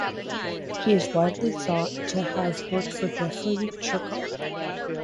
He is widely thought to have worked for Geoffrey Chaucer.